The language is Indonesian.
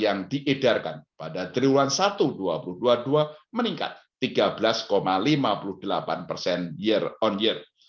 yang diedarkan pada triwulan satu dua ribu dua puluh dua meningkat tiga belas lima puluh delapan persen year on year